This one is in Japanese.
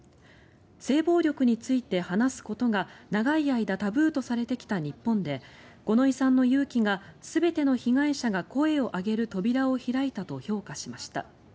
性暴力について話すことが長い間タブーとされてきた日本で五ノ井さんの勇気が全ての被害者が声を上げる扉を開いたと評価しました。